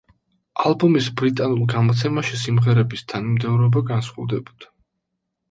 ალბომის ბრიტანულ გამოცემაში სიმღერების თანმიმდევრობა განსხვავდებოდა.